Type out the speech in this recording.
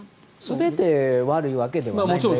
全て悪いわけではないんです。